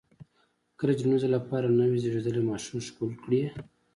کله چې د لومړي ځل لپاره نوی زېږېدلی ماشوم ښکل کړئ.